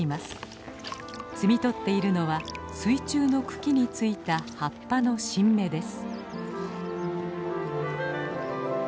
摘み取っているのは水中の茎についた葉っぱの新芽です。